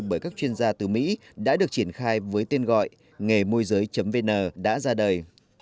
bởi các chuyên gia từ mỹ đã được triển khai với tên gọi nghềmua vn đã ra đời